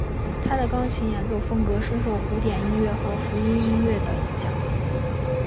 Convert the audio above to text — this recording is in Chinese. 他的钢琴演奏风格深受古典音乐和福音音乐的影响。